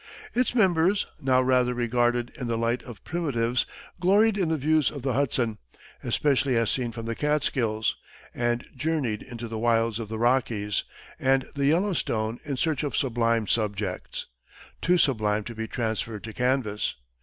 Its members, now rather regarded in the light of primitives, gloried in the views of the Hudson, especially as seen from the Catskills, and journeyed into the wilds of the Rockies and the Yellowstone in search of sublime subjects too sublime to be transferred to canvas.